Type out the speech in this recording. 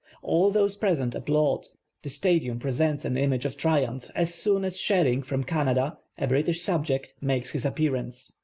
All those present applaud, the Stadium pre sents an image of triumph, as soon as Shcrring from Canada, a P.ritish subject, makes his appearance.